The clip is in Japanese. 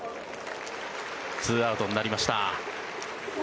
２アウトになりました。